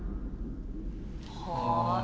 はい。